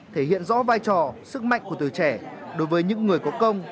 thể hiện rõ vai trò sức mạnh của tuổi trẻ đối với những người có công